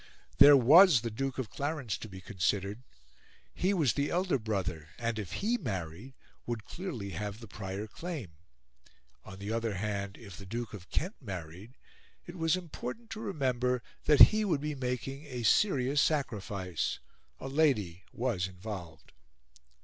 There was the Duke of Clarence to be considered; he was the elder brother, and, if HE married, would clearly have the prior claim. On the other hand, if the Duke of Kent married, it was important to remember that he would be making a serious sacrifice: a lady was involved.